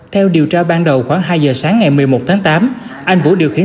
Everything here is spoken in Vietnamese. theo điều tra ban đầu khoảng hai giờ sáng ngày một mươi một tháng tám anh vũ điều khiển